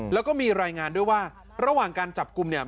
แล้วก็มีรายงานด้วยว่าระหว่างการจับกลุ่มเนี่ย